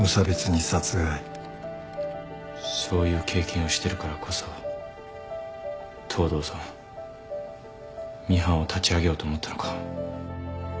そういう経験をしてるからこそ東堂さんミハンを立ち上げようと思ったのか。